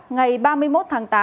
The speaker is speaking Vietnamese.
ngày ba mươi một tháng tám